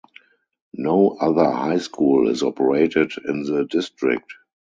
No other high school is operated in the district.